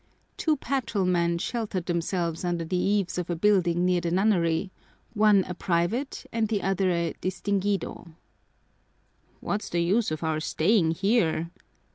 Two patrolmen sheltered themselves under the eaves of a building near the nunnery, one a private and the other a distinguido. "What's the use of our staying here?"